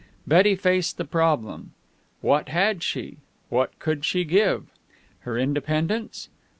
Betty faced the problem. What had she? What could she give? Her independence?